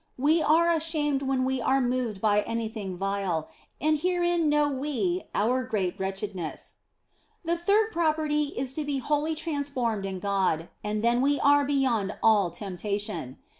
We are ashamed when we are moved by anything vile, and herein know we our great wretchedness. The third property is to be wholly transformed in God, and then we are beyond all temptation.